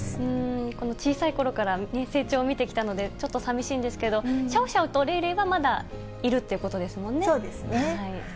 この小さいころから成長を見てきたので、ちょっとさみしいんですけど、シャオシャオとレイレそうですね。